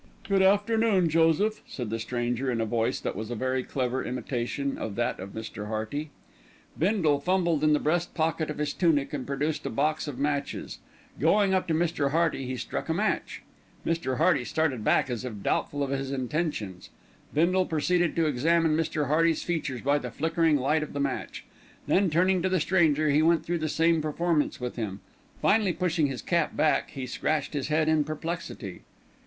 "Good afternoon, Joseph," said the stranger in a voice that was a very clever imitation of that of Mr. Hearty. Bindle fumbled in the breast pocket of his tunic and produced a box of matches. Going up to Mr. Hearty he struck a match. Mr. Hearty started back as if doubtful of his intentions. Bindle proceeded to examine Mr. Hearty's features by the flickering light of the match, then turning to the stranger, he went through the same performance with him. Finally pushing his cap back he scratched his head in perplexity.